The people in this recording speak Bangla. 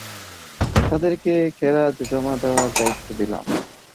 তাঁদেরকে খেরাজ জমা করার দায়িত্ব দিলাম।